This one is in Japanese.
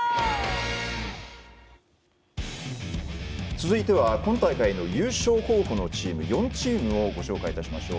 続いては今大会の優勝候補のチーム４チームをご紹介いたしましょう。